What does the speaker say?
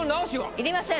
いりません。